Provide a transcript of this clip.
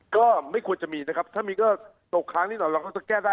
ก็ไม่ควรจะมีนะครับถ้ามีก็ตกค้างนิดหน่อยเราก็จะแก้ได้